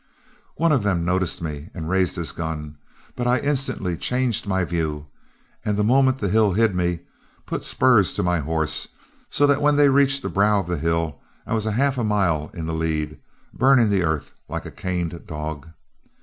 One of them noticed me and raised his gun, but I instantly changed my view, and the moment the hill hid me, put spurs to my horse, so that when they reached the brow of the hill, I was half a mile in the lead, burning the earth like a canned dog.